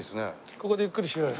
ここでゆっくりしようよ。